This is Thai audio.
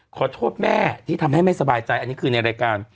ขอโทษแม่ที่ทำให้ไม่สบายใจอันนี้คือในรายการ